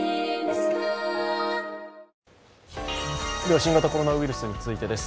新型コロナウイルスについてです。